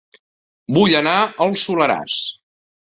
Vull anar a El Soleràs